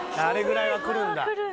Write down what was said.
あれぐらいはくるんだ？